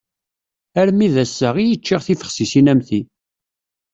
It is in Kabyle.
Armi d ass-a, i yeččiɣ tibexsisin am ti.